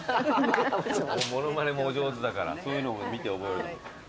物まねもお上手だからそういうのも見て覚える。